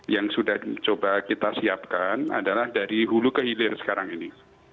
yang sudah coba kita siapkan adalah dari hulu ke hilir sekarang ini